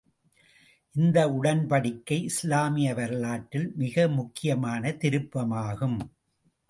இந்த உடன்படிக்கை, இஸ்லாமிய வரலாற்றில் மிக முக்கியமான திருப்பமாகும்.